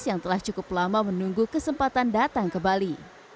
yang telah cukup lama menunggu kesempatan datang ke bali